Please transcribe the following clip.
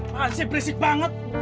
masih berisik banget